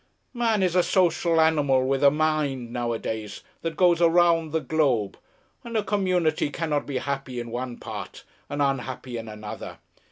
Man is a social animal with a mind nowadays that goes around the globe, and a community cannot be happy in one part and unhappy in another.